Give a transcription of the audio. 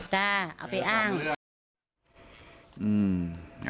ภรรยาก็บอกว่านายทองม่วนขโมย